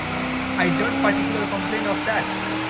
I don't particular complain of that.